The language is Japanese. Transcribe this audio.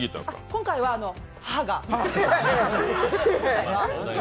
今回は、母が。